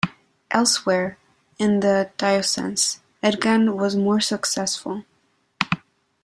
Elsewhere in the diocese, Egan was more successful.